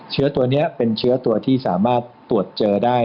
เชื้อตัวนี้เป็นเชื้อตัวที่สามารถตรวจเจอได้